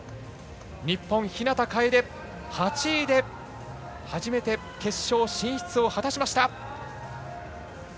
日本、日向楓８位で、初めて決勝進出を果たしました。